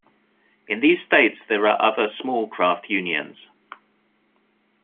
In these states there are other small craft unions.